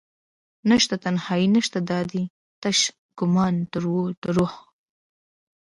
نشته تنهایې نشته دادي تش ګمان دروح